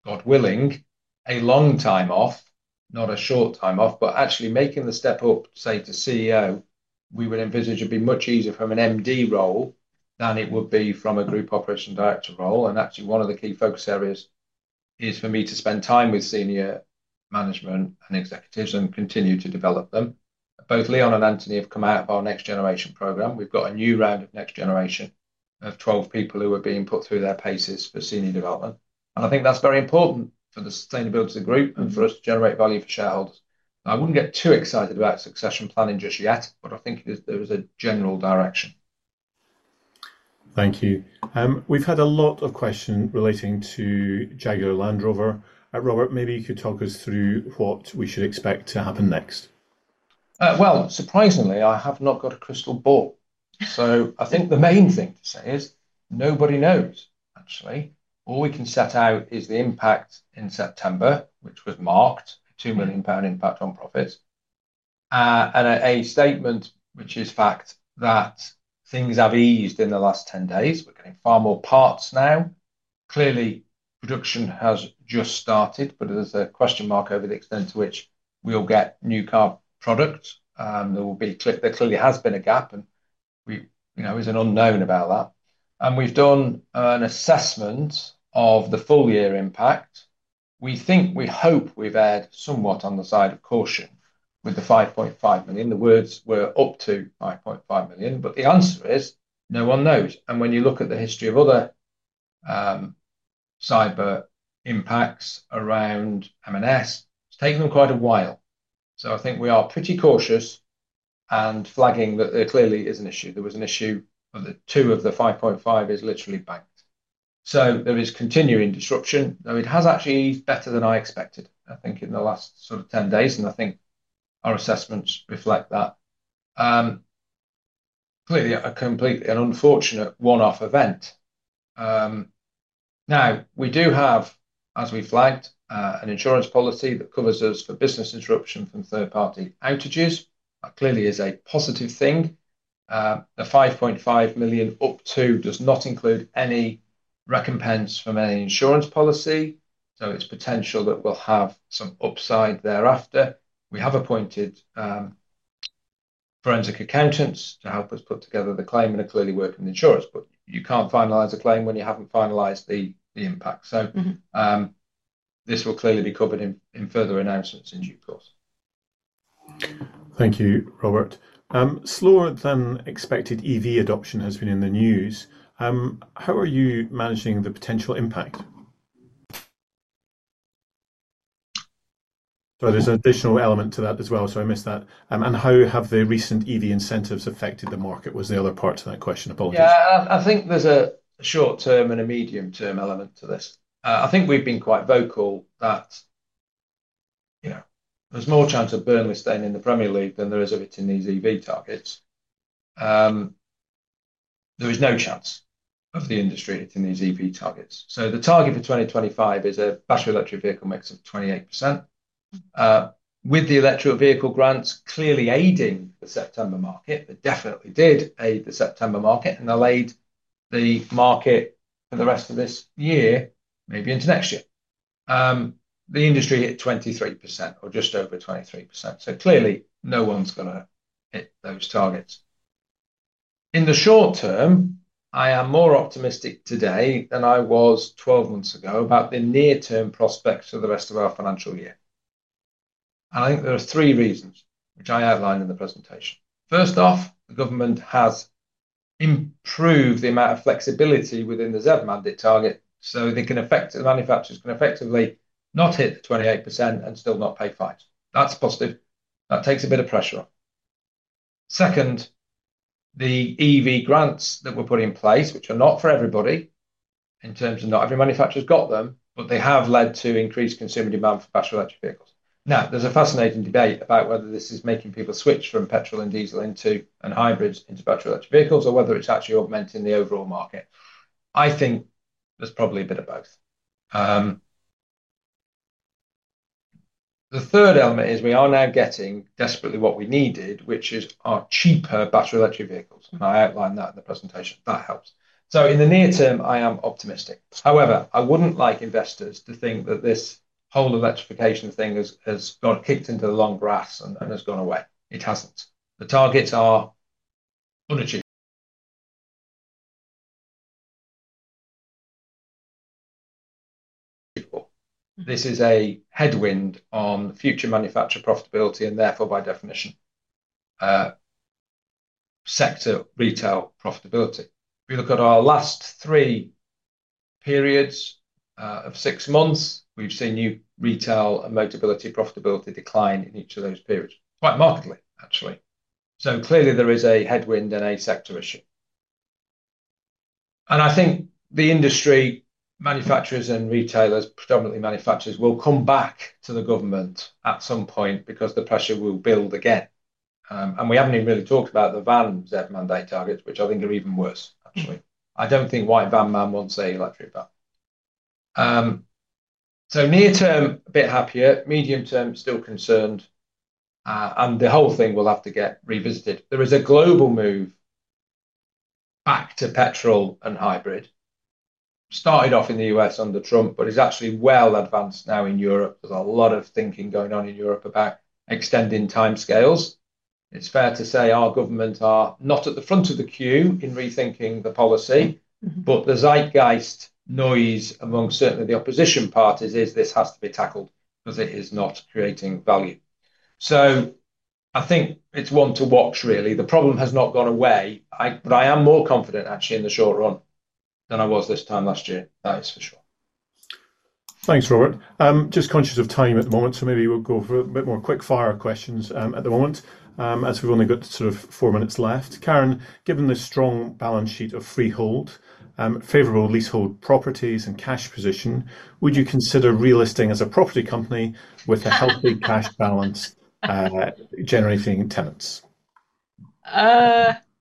God willing, a long time off, not a short time off, but actually making the step up, say, to CEO. We would envisage it would be much easier from an MD role than it would be from a Group Operation Director role. One of the key focus areas is for me to spend time with senior management and executives and continue to develop them. Both Leon and Anthony have come out of our next generation program. We've got a new round of next generation of 12 people who are being put through their paces for senior development. I think that's very important for the sustainability of the group and for us to generate value for shareholders. I wouldn't get too excited about succession planning just yet, but I think there's a general direction. Thank you. We've had a lot of questions relating to Jaguar Land Rover. Robert, maybe you could talk us through what we should expect to happen next. Surprisingly, I have not got a crystal ball. I think the main thing to say is nobody knows, actually. All we can set out is the impact in September, which we've marked, a 2 million pound impact on profits, and a statement, which is fact, that things have eased in the last 10 days. We're getting far more parts now. Clearly, production has just started, but there's a question mark over the extent to which we'll get new car products. There clearly has been a gap, and it's an unknown about that. We've done an assessment of the full-year impact. We think, we hope we've erred somewhat on the side of caution with the 5.5 million. The words were up to 5.5 million, but the answer is no one knows. When you look at the history of other cyber impacts around M&S, it's taken them quite a while. I think we are pretty cautious and flagging that there clearly is an issue. There was an issue that two of the 5.5 million is literally banked. There is continuing disruption, though it has actually eased better than I expected, I think, in the last sort of 10 days, and I think our assessments reflect that. Clearly, a completely unfortunate one-off event. We do have, as we flagged, an insurance policy that covers us for business interruption from third-party outages. That clearly is a positive thing. The 5.5 million up to does not include any recompense from any insurance policy, so it's potential that we'll have some upside thereafter. We have appointed forensic accountants to help us put together the claim and are clearly working with insurance, but you can't finalize a claim when you haven't finalized the impact. This will clearly be covered in further announcements in due course. Thank you, Robert. Slower than expected EV adoption has been in the news. How are you managing the potential impact? There's an additional element to that as well. How have the recent EV incentives affected the market? Was the other part of that question? I think there's a short-term and a medium-term element to this. I think we've been quite vocal that there's more chance of Burn with staying in the Premier League than there is of it in these EV targets. There is no chance of the industry in these EV targets. The target for 2025 is a Battery Electric Vehicle mix of 28%. With the electric vehicle grants clearly aiding the September market, they definitely did aid the September market, and they'll aid the market for the rest of this year, maybe into next year. The industry hit 23% or just over 23%. Clearly, no one's going to hit those targets. In the short term, I am more optimistic today than I was 12 months ago about the near-term prospects for the rest of our financial year. I think there are three reasons, which I outlined in the presentation. First off, the government has improved the amount of flexibility within the ZEV mandate target, so the manufacturers can effectively not hit the 28% and still not pay fines. That's positive. That takes a bit of pressure off. Second, the EV grants that were put in place, which are not for everybody, in terms of not every manufacturer's got them, but they have led to increased consumer demand for Battery Electric Vehicles. Now, there's a fascinating debate about whether this is making people switch from petrol and diesel into hybrids into Battery Electric Vehicles or whether it's actually augmenting the overall market. I think there's probably a bit of both. The third element is we are now getting desperately what we needed, which is our cheaper Battery Electric Vehicles. I outlined that in the presentation. That helps. In the near term, I am optimistic. However, I wouldn't like investors to think that this whole electrification thing has got kicked into the long grass and has gone away. It hasn't. The targets are unachieved. This is a headwind on future manufacturer profitability and therefore, by definition, sector retail profitability. If you look at our last three periods of six months, we've seen new retail and Motability profitability decline in each of those periods, quite markedly, actually. Clearly, there is a headwind and a sector issue. I think the industry, manufacturers, and retailers, predominantly manufacturers, will come back to the government at some point because the pressure will build again. We haven't even really talked about the van ZEV mandate targets, which I think are even worse, actually. I don't think white van man wants an electric van. Near term, a bit happier. Medium term, still concerned. The whole thing will have to get revisited. There is a global move back to petrol and hybrid. Started off in the U.S. under Trump, but is actually well advanced now in Europe. There's a lot of thinking going on in Europe about extending time scales. It's fair to say our governments are not at the front of the queue in rethinking the policy, but the zeitgeist noise among certainly the opposition parties is this has to be tackled because it is not creating value. I think it's one to watch, really. The problem has not gone away, but I am more confident, actually, in the short run than I was this time last year. That is for sure. Thanks, Robert. Just conscious of time at the moment, so maybe we'll go for a bit more quick-fire questions at the moment, as we've only got sort of four minutes left. Karen, given the strong balance sheet of freehold, favorable leasehold properties, and cash position, would you consider re-listing as a property company with a healthy cash balance, generally feeding tenants?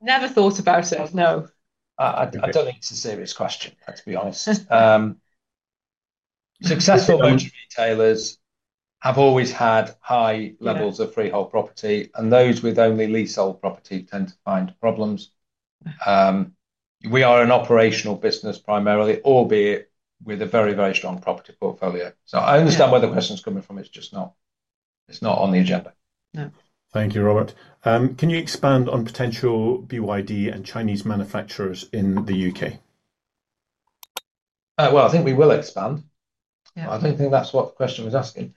Never thought about sales, no. I don't think it's a serious question, to be honest. Successful retailers have always had high levels of freehold property, and those with only leasehold property tend to find problems. We are an operational business primarily, albeit with a very, very strong property portfolio. I understand where the question's coming from. It's just not on the agenda. Thank you, Robert. Can you expand on potential BYD and Chinese manufacturers in the U.K.? I think we will expand. I don't think that's what the question was asking.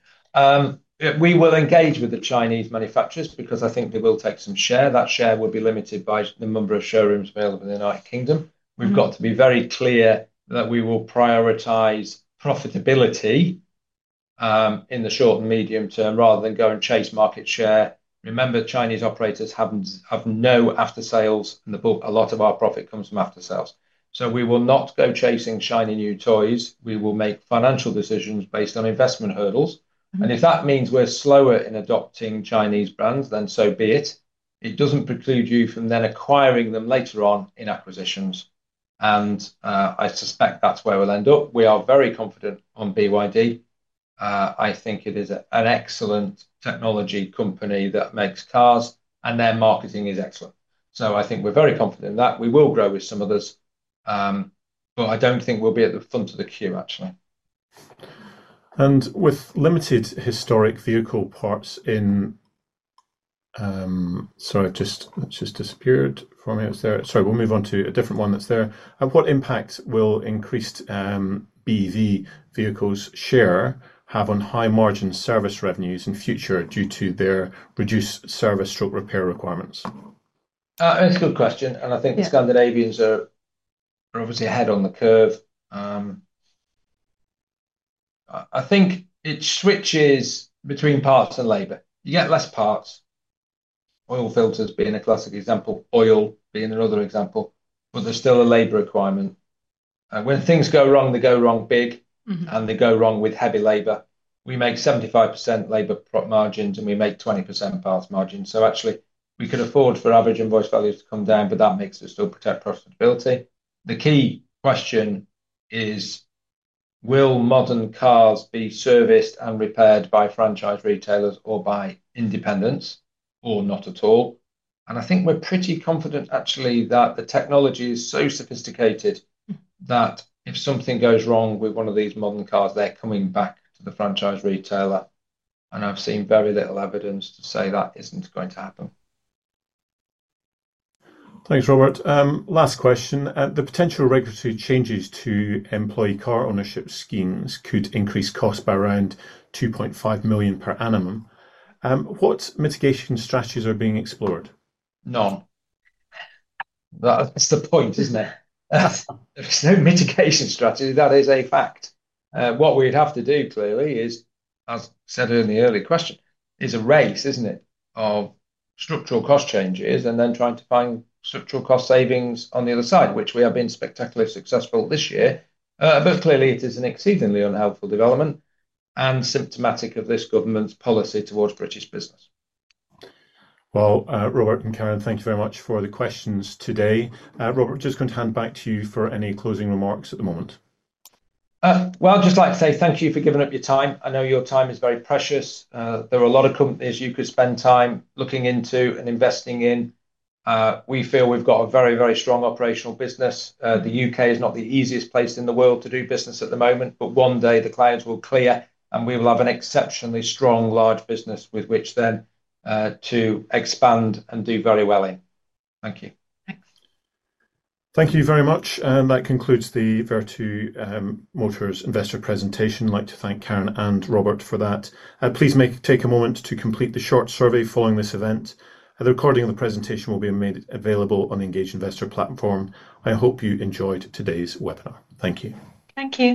We will engage with the Chinese manufacturers because I think they will take some share. That share will be limited by the number of showrooms available in the United Kingdom. We've got to be very clear that we will prioritize profitability in the short and medium term rather than go and chase market share. Remember, Chinese operators have no aftersales in the book. A lot of our profit comes from aftersales. We will not go chasing shiny new toys. We will make financial decisions based on investment hurdles. If that means we're slower in adopting Chinese brands, then so be it. It doesn't preclude you from then acquiring them later on in acquisitions. I suspect that's where we'll end up. We are very confident on BYD. I think it is an excellent technology company that makes cars, and their marketing is excellent. I think we're very confident in that. We will grow with some others, but I don't think we'll be at the front of the queue, actually. With limited historic vehicle parts in, what impact will increased BEV vehicle share have on high margin service revenues in the future due to their reduced service/repair requirements? That's a good question. I think the Scandinavians are obviously ahead on the curve. I think it switches between parts and labor. You get less parts, oil filters being a classic example, oil being another example, but there's still a labor requirement. When things go wrong, they go wrong big, and they go wrong with heavy labor. We make 75% labor margins, and we make 20% of parts margins. Actually, we could afford for average invoice values to come down, but that makes us still protect profitability. The key question is, will modern cars be serviced and repaired by franchise retailers or by independents or not at all? I think we're pretty confident, actually, that the technology is so sophisticated that if something goes wrong with one of these modern cars, they're coming back to the franchise retailer. I've seen very little evidence to say that isn't going to happen. Thanks, Robert. Last question. The potential regulatory changes to employee car ownership schemes could increase costs by around 2.5 million per annum. What mitigation strategies are being explored? None. That's the point, isn't it? There's no mitigation strategy. That is a fact. What we'd have to do, clearly, as said in the early question, is a race, isn't it, of structural cost changes and then trying to find structural cost savings on the other side, which we have been spectacularly successful this year. Clearly, it is an exceedingly unhelpful development and symptomatic of this government's policy towards British business. Robert and Karen, thank you very much for the questions today. Robert, just going to hand back to you for any closing remarks at the moment. Thank you for giving up your time. I know your time is very precious. There are a lot of companies you could spend time looking into and investing in. We feel we've got a very, very strong operational business. The U.K. is not the easiest place in the world to do business at the moment, but one day the clouds will clear, and we will have an exceptionally strong, large business with which then to expand and do very well in. Thank you. Thank you very much. That concludes the Vertu Motors investor presentation. I'd like to thank Karen and Robert for that. Please take a moment to complete the short survey following this event. The recording of the presentation will be made available on the Engage Investor platform. I hope you enjoyed today's webinar. Thank you. Thank you.